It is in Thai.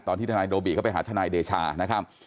ตอนที่ทนายโนบิก็ไปหาทนายเดชานะครับ